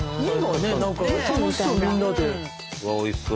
うわおいしそう。